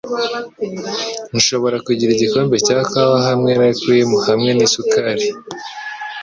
Nshobora kugira igikombe cya kawa hamwe na cream hamwe nisukari?